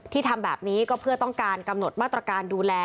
ทำแบบนี้ก็เพื่อต้องการกำหนดมาตรการดูแล